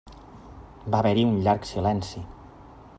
Va haver-hi un llarg silenci.